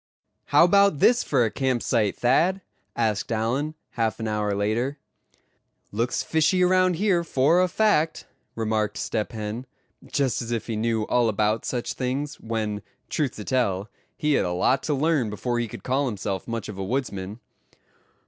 "How about this for a camp site, Thad?" asked Allan, half an hour later. "Looks fishy around here, for a fact," remarked Step Hen, just as if he knew all about such things; when, truth to tell, he had a lot to learn before he could call himself much of a woodsman.